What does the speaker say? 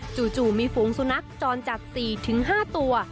จู่มีฝูงสุนัขจรจัด๔๕ตัว